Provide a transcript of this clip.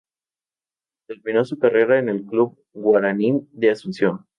Terminó su carrera deportiva en el Club Guaraní de Asunción.